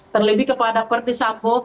terlebih kepada ferdi sambo